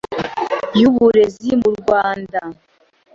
y’Uburezi mu Rwanda